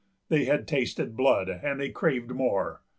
They had tasted blood, and they craved more.